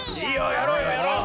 やろうよやろう。